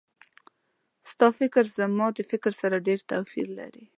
ستا فکر زما د فکر سره ډېر توپیر لري